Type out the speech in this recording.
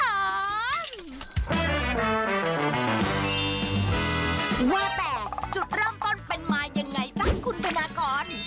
ว่าแต่จุดเริ่มต้นเป็นมายังไงจ๊ะคุณธนากร